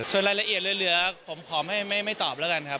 ส่วนรายละเอียดเหลือผมขอไม่ตอบแล้วกันครับ